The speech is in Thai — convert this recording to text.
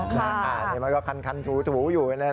ถ้าอ่านมันก็คันถูอยู่นี่แหละ